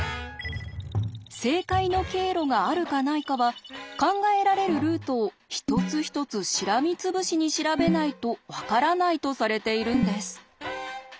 正解の経路があるかないかは考えられるルートを一つ一つしらみつぶしに調べないと分からないとされているんです。